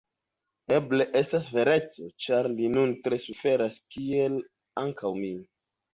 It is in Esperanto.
Eble estas vereco, ĉar li nun tre suferas, kiel ankaŭ mi.